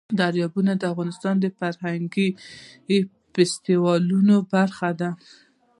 دریابونه د افغانستان د فرهنګي فستیوالونو برخه ده.